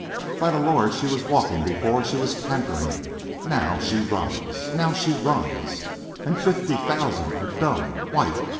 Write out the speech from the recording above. "By the Lord, she was walking before; she was cantering! Now she runs! Now she runs! And the fifty thousand are dumb, white.